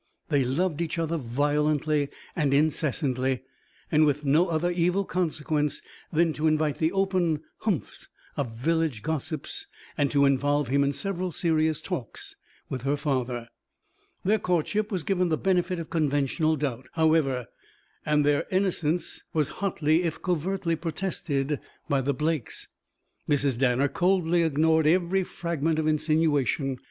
They loved each other violently and incessantly and with no other evil consequence than to invite the open "humphs" of village gossips and to involve him in several serious talks with her father. Their courtship was given the benefit of conventional doubt, however, and their innocence was hotly if covertly protested by the Blakes. Mrs. Danner coldly ignored every fragment of insinuation.